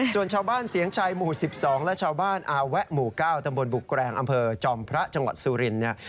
ส่วนชาวบ้านเสียงชัยหมู่๑๒และชาวบ้านอาแวะหมู่๙ตำบลบุแกรงอำเภอจอมพระจังหวัดสุรินทร์เนี่ย